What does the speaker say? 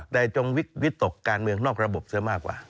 แต่จงวิตกการเมืองนอกระบบเสียมากกว่า